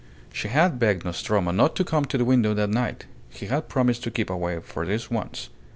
She had begged Nostromo not to come to the window that night. He had promised to keep away for this once.